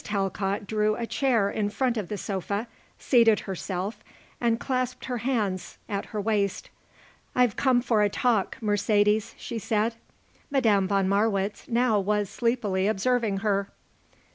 Talcott drew a chair in front of the sofa, seated herself and clasped her hands at her waist. "I've come for a talk, Mercedes," she said. Madame von Marwitz now was sleepily observing her.